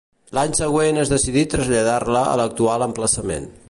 L'any següent es decidí traslladar-la a l'actual emplaçament.